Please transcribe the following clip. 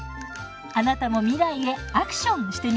あなたも未来へアクションしてみませんか？